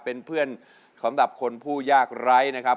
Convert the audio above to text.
เป็นเพื่อนของคนผู้ยากไร้นะครับ